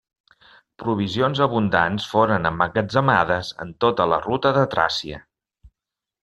Provisions abundants foren emmagatzemades en tota la ruta de Tràcia.